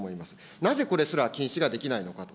なぜこれすら禁止ができないのか。